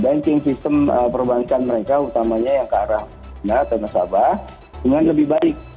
banking sistem perbankan mereka utamanya yang kearah nah tenaga sahabat dengan lebih baik